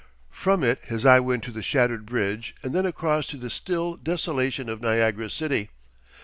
From it his eye went to the shattered bridge and then across to the still desolation of Niagara city.